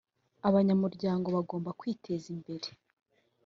abanyamuryango bagomba kwiteza imbere